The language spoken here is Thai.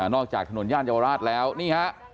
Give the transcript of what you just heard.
จากถนนย่านเยาวราชแล้วนี่ฮะ